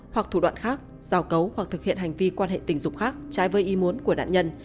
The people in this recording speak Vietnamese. hoặc thủ đoạn khác giao cấu hoặc thực hiện hành vi quan hệ tình dục khác trái với ý muốn của nạn nhân